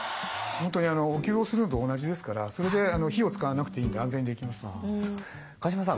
本当にお灸をするのと同じですからそれで火を使わなくていいんで安全にできます。